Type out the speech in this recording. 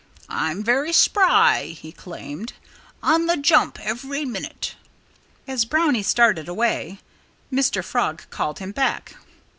"I'm very spry!" he claimed. "On the jump every minute!" As Brownie started away, Mr. Frog called him back.